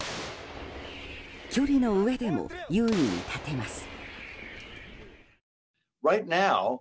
距離のうえでも優位に立てます。